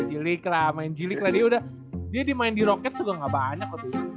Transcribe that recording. jiliklah main jilik lagi udah dia di main di roket juga nggak banyak